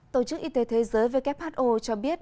tổ chức y tế thế giới who cho biết